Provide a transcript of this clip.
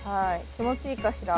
気持ちいいかしら。